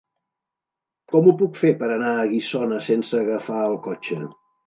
Com ho puc fer per anar a Guissona sense agafar el cotxe?